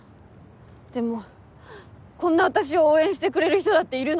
でもこんな私を応援してくれる人だっているの。